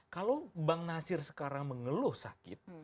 kalau bang nasir sekarang mengeluh sakit